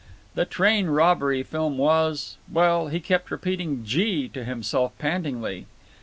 The train robbery film was—well, he kept repeating "Gee!" to himself pantingly.